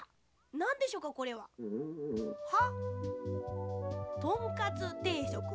なんでしょうかこれは？は？